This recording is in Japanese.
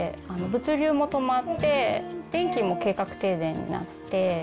物流も止まって、電気も計画停電になって。